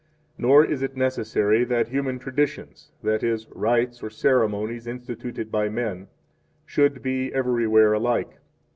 Nor is it necessary that human traditions, that is, rites or ceremonies, instituted by men, should be everywhere alike.